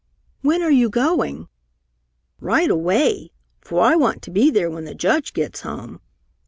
"When are you going?" "Right away, for I want to be there when the Judge gets home.